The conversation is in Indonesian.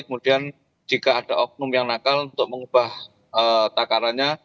kemudian jika ada oknum yang nakal untuk mengubah takarannya